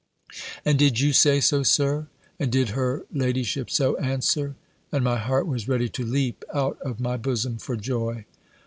'" "And did you say so. Sir? And did her ladyship so answer?" And my heart was ready to leap out of my bosom for joy.